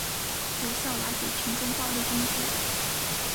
有效瓦解群众暴力攻击